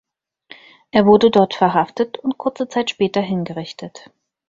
Er wurde dort verhaftet und kurze Zeit später hingerichtet.